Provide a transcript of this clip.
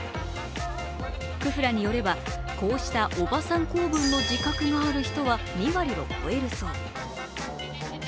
ｋｕｆｕｒａによれば、こうしたおばさん構文の自覚がある人は２割を超えるそう。